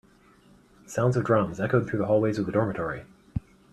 Sounds of drums echoed through the hallways of the dormitory.